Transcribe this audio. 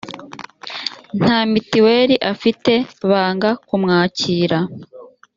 nta mutuel afite banga kumwakira